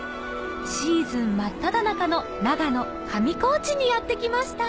シーズン真っただ中の長野・上高地にやって来ました